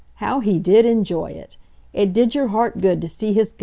How he did enjoy it! It did your heart good to see his gusto!